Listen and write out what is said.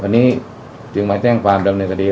อันนี้จึงมาแจ้งความดำเนินคดี